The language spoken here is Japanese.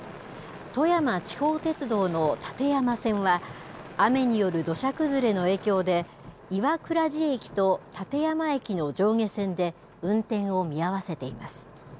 富山地方鉄道の立山線は、雨による土砂崩れの影響で、岩峅寺駅と立山駅の上下線で運転を見合わせています。